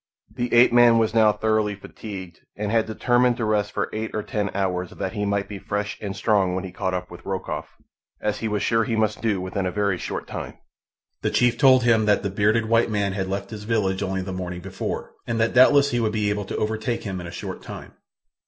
The ape man was now thoroughly fatigued, and had determined to rest for eight or ten hours that he might be fresh and strong when he caught up with Rokoff, as he was sure he must do within a very short time. The chief told him that the bearded white man had left his village only the morning before, and that doubtless he would be able to overtake him in a short time.